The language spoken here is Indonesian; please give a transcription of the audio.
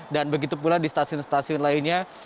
dan begitu pula di stasiun stasiun lainnya